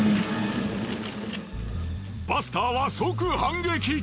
バスターは即反撃。